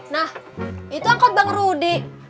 nah itu angkat bang rudy